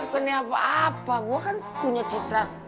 kenapa apa gue kan punya citra